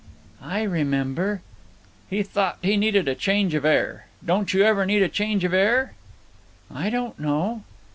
"I remember." "He thought he needed a change of air. Don't you ever need a change of air?" "I don't know."